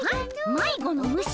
「迷子の虫」？